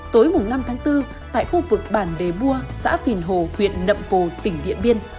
tối năm bốn tại khu vực bản đề bua xã phìn hồ huyện nậm bồ tỉnh điện biên